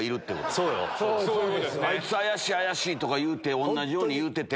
あいつ怪しい怪しい！とか同じように言うてて。